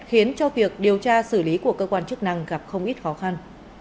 khiến cho việc điều tra xử lý của cơ quan chức năng gặp không ít khó khăn